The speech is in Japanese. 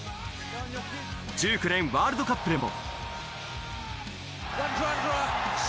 １９年ワールドカップでも。